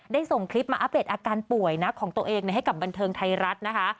ส่งคลิปมาอัปเดตอาการป่วยนะของตัวเองให้กับบันเทิงไทยรัฐนะคะ